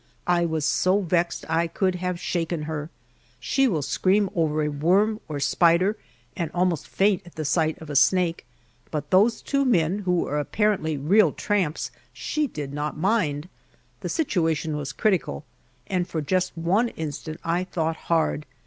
I was so vexed I could have shaken her. She will scream over a worm or spider, and almost faint at the sight of a snake, but those two men, who were apparently real tramps, she did not mind. The situation was critical, and for just one instant I thought hard.